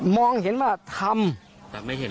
มองเห็นว่าทำ